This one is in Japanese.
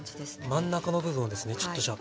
真ん中の部分をですねちょっとじゃあ。